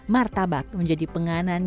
martabak menjadi pengananannya